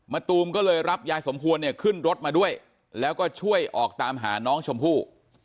ตูมก็เลยรับยายสมควรเนี่ยขึ้นรถมาด้วยแล้วก็ช่วยออกตามหาน้องชมพู่